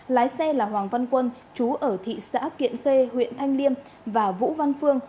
lái xe là hoàng văn quân chú ở thị xã kiện khê huyện thanh liêm và vũ văn phương